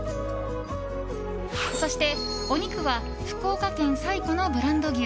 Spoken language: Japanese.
そして、お肉は福岡県最古のブランド牛